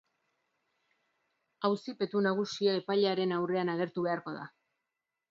Auzipetu nagusia epailearen aurrean agertu beharko da.